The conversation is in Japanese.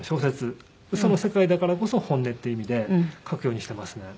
ウソの世界だからこそ本音っていう意味で書くようにしてますね。